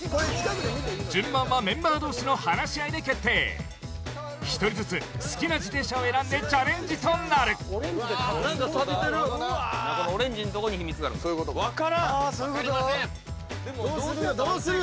順番はメンバー同士の話し合いで決定１人ずつ好きな自転車を選んでチャレンジとなる何かさびてるこのオレンジんとこに秘密があるんやそういうことか分かりません・でもどうする？